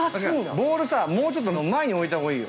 ◆ボールさ、もうちょっと前に置いたほうがいいよ。